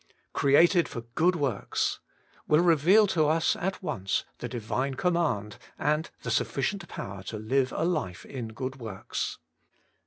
Created for good works! will reveal to us at once the Divine command and the sufficient power to live a life in good works.